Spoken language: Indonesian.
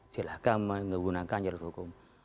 silahkan menggunakan jalur hukum